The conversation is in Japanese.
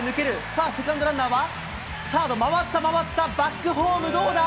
さあ、セカンドランナーは、サード回った、回った、バックホーム、どうだ？